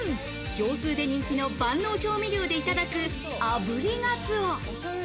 業スーで人気の万能調味料でいただく炙りガツオ。